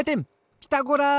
ピタゴラ！